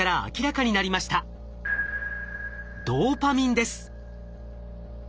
ドーパミンです。